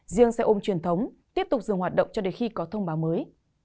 riêng xe ôm truyền thống tiếp tục dừng hoạt động cho đến khi có thông báo mới